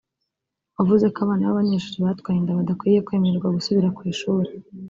wavuze ko abana b’abanyeshuri batwaye inda badakwiye kwemererwa gusubira ku ishuri